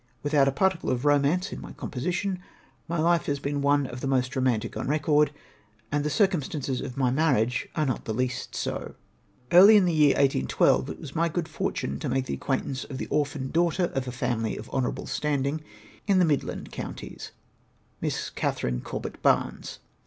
With out a particle of romance in my composition, my life has been one of the most romantic on record, and the circumstances of my marriage are not the least so. Early in the year 1812, it was my good fortune to make the acquaintance of the orphan daughter of a family of honourable standing in the Midland Coun ties, Miss Katherine Corbett Barnes.